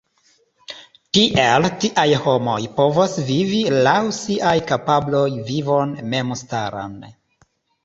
Tiel tiaj homoj povos vivi laŭ siaj kapabloj vivon memstaran.